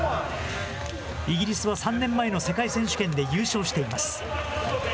イギリスは３年前の世界選手権で優勝しています。